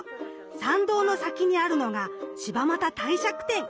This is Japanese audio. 参道の先にあるのが柴又帝釈天。